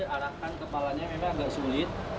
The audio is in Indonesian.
aduh lagi arahkan kepalanya memang agak sulit